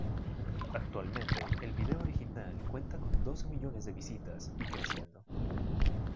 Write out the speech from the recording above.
Actualmente, el vídeo original cuenta con doce millones de visitas y creciendo.